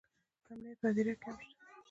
امنیت په هدیره کې هم شته